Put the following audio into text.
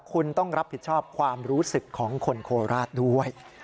คุณต้องรับผิดชอบความรู้สึกของคนโคราชด้วย